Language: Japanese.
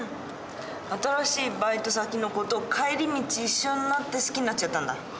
新しいバイト先の子と帰り道一緒になって好きになっちゃったんだ。